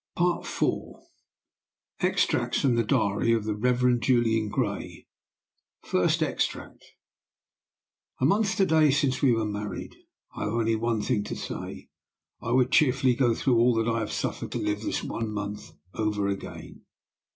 IV. Extracts from the DIARY of THE REVEREND JULIAN GRAY. FIRST EXTRACT. ...."A month to day since we were married! I have only one thing to say: I would cheerfully go through all that I have suffered to live this one month over again.